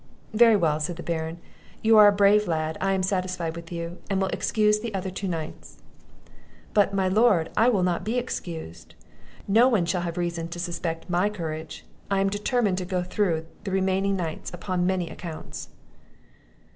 "Very well," said the Baron; "you are a brave lad; I am satisfied with you, and will excuse the other two nights." "But, my lord, I will not be excused; no one shall have reason to suspect my courage; I am determined to go through the remaining nights upon many accounts."